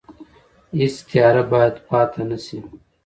هیڅ تیاره باید پاتې نه شي.